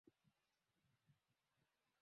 aambukizi ya ukimwi yanaweza kuzuiliwa